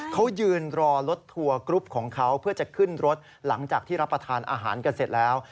เขายืนรอรถทัวร์กรุ๊ปของเขาเพื่อจะขึ้นรถหลังจากที่รับประทานอาหารกันเสร็จแล้ว